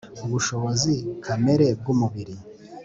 Ubushobozi kamere bw umubiri